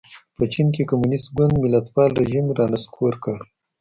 په چین کې کمونېست ګوند ملتپال رژیم را نسکور کړ.